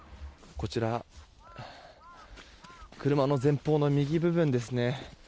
こちら車の前方の右部分ですね